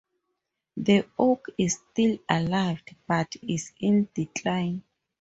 The oak is still alive, but is in decline.